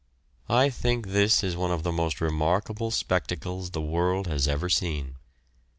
I think this is one of the most remarkable spectacles the world has ever seen.